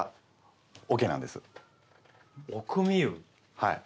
はい。